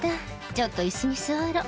ちょっと椅子に座ろう」